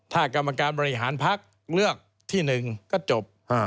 ถ้ากรรมการบริหารพักเลือกที่๑ก็จบ